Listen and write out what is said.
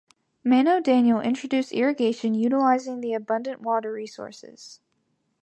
Mano Daniel introduced irrigation utilizing the abundant water resources.